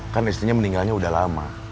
kan istrinya meninggalnya udah lama